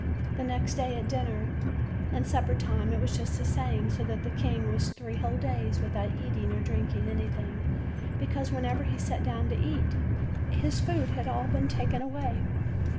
The next day at dinner and supper time it was just the same; so that the king was three whole days without eating or drinking anything, because whenever he sat down to eat, his food had all been taken away.